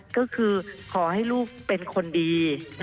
ก็คือขอให้ลูกเป็นคนดี